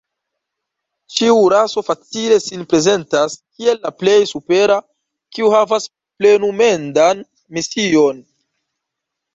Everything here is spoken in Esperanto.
Ĉiu raso facile sin prezentas kiel la plej supera, kiu havas plenumendan mision.